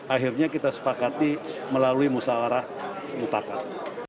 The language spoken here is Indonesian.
akhirnya kita sepakati melalui musawarah mufakat